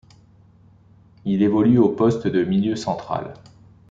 Il évolue au poste de milieu central.